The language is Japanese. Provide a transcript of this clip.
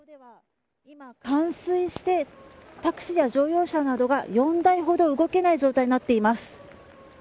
冠水してタクシーや乗用車などが４台ほど動けない状態になっています。